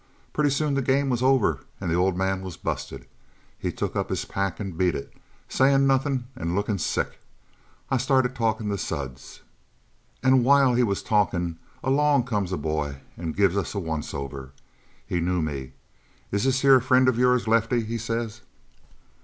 Pretty soon the game was over and the old man was busted. He took up his pack and beat it, saying nothing and looking sick. I started talking to Suds. "And while he was talking, along comes a bo and gives us a once over. He knew me. 'Is this here a friend of yours, Lefty? he says.